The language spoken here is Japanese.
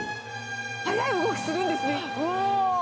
速い動きをするんですね、うおー。